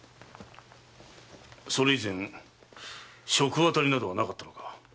それ以前食当たりなどはなかったのか？